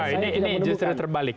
ini justru terbalik